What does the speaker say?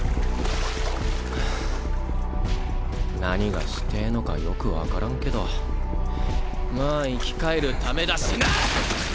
何がしてぇのかよく分からんけどまあ生き返るためだしな！